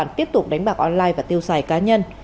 tài khoản tiếp tục đánh bạc online và tiêu xài cá nhân